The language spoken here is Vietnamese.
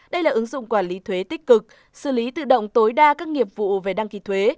đây là ứng dụng quản lý thuế tích cực xử lý tự động tối đa các nghiệp vụ về đăng ký thuế